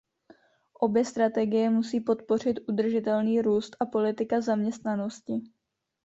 Obě strategie musí podpořit udržitelný růst a politika zaměstnanosti.